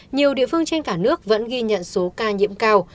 nhiều địa phương trên cả nước vẫn ghi nhận số ca nhiễm cao